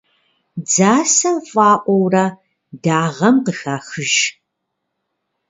Дзасэм фӀаӀуурэ дагъэм къыхахыж.